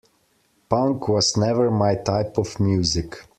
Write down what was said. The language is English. Punk was never my type of music.